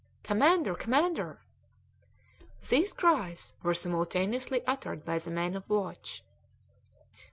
"Commander! Commander!" These cries were simultaneously uttered by the men on watch.